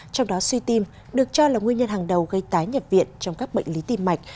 trong đó suy tim được cho là nguyên nhân hàng đầu gây tái nhập viện trong các bệnh lý tim mạch